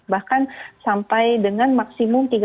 bahkan sampai dengan maksimum